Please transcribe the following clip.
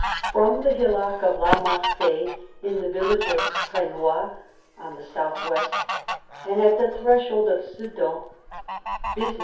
From the hillock of La Marfee, in the village ■of Frenois, on the south west, and at the threshold of Sedan, Bism.